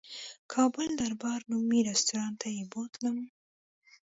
کابل دربار نومي رستورانت ته یې بوتلم.